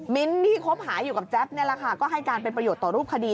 ที่คบหาอยู่กับแจ๊บนี่แหละค่ะก็ให้การเป็นประโยชน์ต่อรูปคดี